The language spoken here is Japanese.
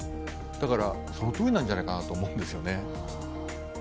だから、そのとおりなんじゃないかと思うんですね。